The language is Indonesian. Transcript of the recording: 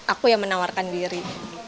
aku yang menawarkan diri